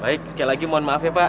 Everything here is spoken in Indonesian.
baik sekali lagi mohon maaf ya pak